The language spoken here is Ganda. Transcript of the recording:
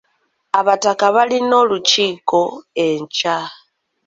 Abataka balina olukiiko enkya.